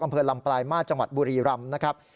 อำเภอลำปลายมาตรจังหวัดบุรีรำนะครับ